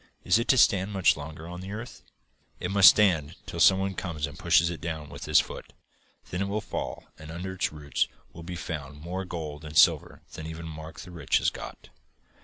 Is it to stand much longer on the earth?"' 'It must stand till some one comes and pushes it down with his foot. Then it will fall, and under its roots will be found more gold and silver than even Mark the Rich has got.